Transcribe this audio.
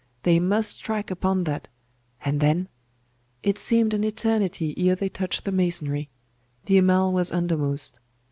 They must strike upon that and then! ....It seemed an eternity ere they touched the masonry.... The Amal was undermost....